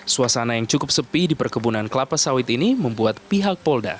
suasana yang cukup sepi di perkebunan kelapa sawit ini membuat pihak polda